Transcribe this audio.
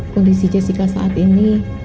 kondisi jessica saat ini